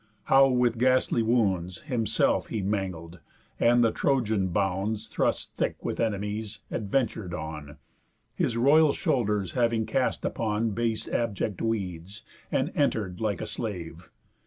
How with ghastly wounds Himself he mangled, and the Trojan bounds, Thrust thick with enemies, adventur'd on, His royal shoulders having cast upon Base abject weeds, and enter'd like a slave.